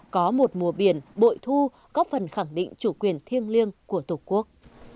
có một mùa biển bội thu góp phần khẳng định chủ quyền thiêng liêng của tổ quốc